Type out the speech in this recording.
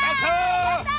やった！